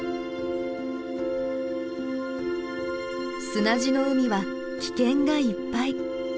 砂地の海は危険がいっぱい。